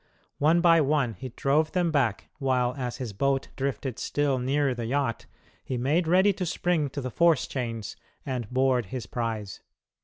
One by one he drove them back while as his boat drifted still nearer the yacht he made ready to spring to the force chains and board his prize.